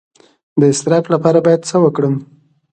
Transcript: د اضطراب لپاره باید څه وکړم؟